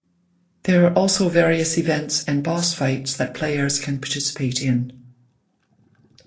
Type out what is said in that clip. There are also various events and boss fights that players can participate in.